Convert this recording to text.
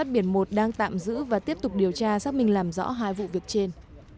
biển một đang tạm giữ và tiếp tục điều tra xác minh làm rõ hai vụ việc trên